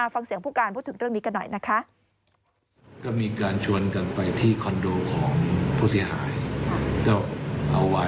ฟังเสียงผู้การพูดถึงเรื่องนี้กันหน่อยนะคะ